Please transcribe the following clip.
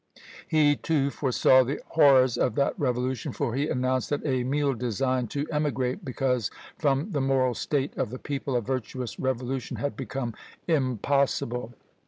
He, too, foresaw the horrors of that revolution; for he announced that Emile designed to emigrate, because, from the moral state of the people, a virtuous revolution had become impossible.